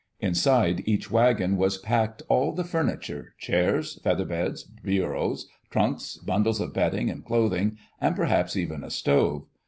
Inside each wagon was packed all the furniture: chairs, feather beds, bureaus, trunks, bundles of bedding and clothing, and perhaps even a stove.